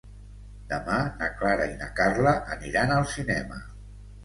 Demà na Clara i na Carla aniran al cinema.